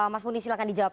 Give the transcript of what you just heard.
mas muni silahkan dijawab